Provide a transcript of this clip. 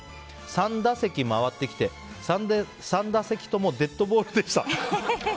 ３打席まわってきて３打席ともデッドボールでした。